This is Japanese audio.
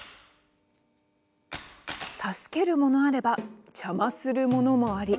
助けるものあれば邪魔するものあり。